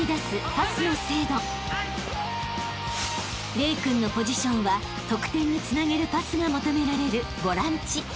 ［玲君のポジションは得点につなげるパスが求められるボランチ］